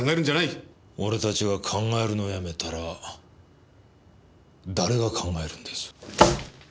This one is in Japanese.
俺たちが考えるのをやめたら誰が考えるんです？